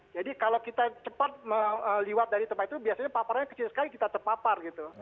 jadi kalau kita cepat liwat dari tempat itu biasanya paparannya kecil sekali kita terpapar gitu